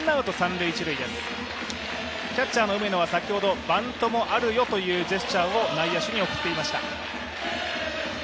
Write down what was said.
キャッチャーの梅野は先ほどバントもあるよというジェスチャーを先ほど内野手に送っていました。